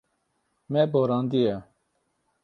Me borandiye.